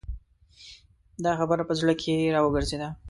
دا خبره په زړه کې را وګرځېدله.